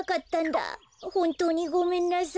ほんとうにごめんなさい！